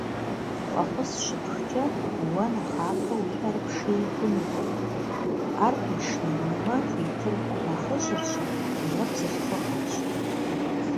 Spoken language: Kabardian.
Фӏэхъус щыпхкӏэ уэ нэхъапэ уи ӏэр пший хъунукъым, ӏэр къишиинумэ хуитыр нэхъыжьырщ е бзылъхугъэрщ.